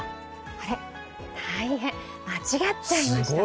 あれ、大変、間違っちゃいました。